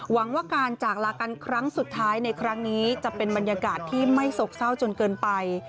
หวังว่าการจากลากันครั้งสุดท้ายในครั้งนี้จะเป็นบรรยากาศที่ไม่โศกเศร้าจนเกินไป